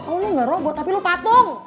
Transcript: oh lu gak robot tapi lu patung